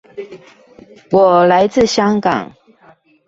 我來自香港